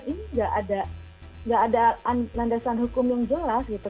ini nggak ada landasan hukum yang jelas gitu